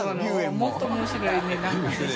もっと面白いね何かね。